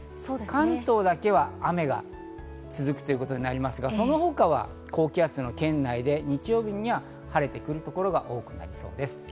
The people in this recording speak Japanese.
関東だけは雨が続くということになりますが、その他は高気圧の圏内で日曜日には晴れてくるところが多くなりそうです。